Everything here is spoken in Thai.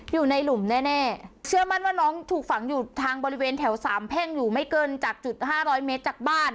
อยู่ในหลุมแน่เชื่อมั่นว่าน้องถูกฝังอยู่ทางบริเวณแถวสามแพ่งอยู่ไม่เกินจากจุดห้าร้อยเมตรจากบ้าน